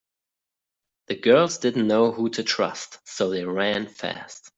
The girls didn’t know who to trust so they ran fast.